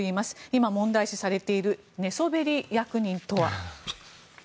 今、問題視されている寝そべり役人とは。